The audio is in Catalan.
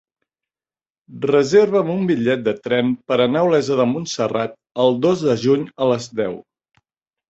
Reserva'm un bitllet de tren per anar a Olesa de Montserrat el dos de juny a les deu.